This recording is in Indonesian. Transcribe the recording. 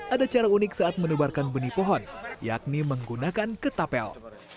ada cara unik saat menebarkan benih pohon yakni menggunakan ketapel